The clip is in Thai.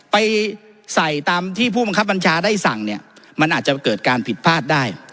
ไปใส่ตามที่ผู้บังคับบัญชาได้สั่งเนี่ยมันอาจจะเกิดการผิดพลาดได้